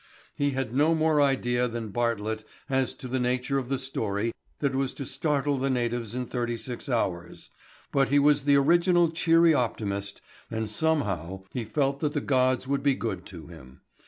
He had no more idea than Bartlett as to the nature of the story that was to startle the natives in thirty six hours, but he was the original cheery optimist and somehow he felt that the gods would be good to him.